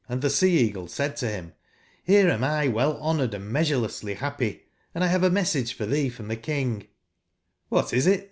gz 83 Sca/caglc said to him : T)crc ami well honoured and meaeurelessly happy ; and 1 have a message for thee from the King^j? ^'(Ohat is it?"